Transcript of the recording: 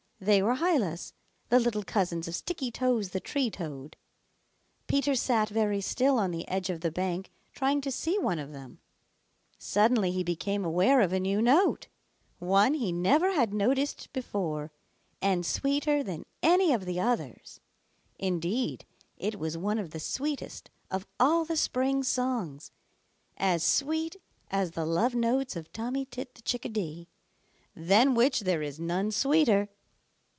They were Hylas, the little cousins of Sticky toes the Tree Toad. Peter sat very still on the edge of the bank trying to see one of them. Suddenly he became aware of a new note, one he never had noticed before and sweeter than any of the others. Indeed it was one of the sweetest of all the spring songs, as sweet as the love notes of Tommy Tit the Chickadee, than which there is none sweeter.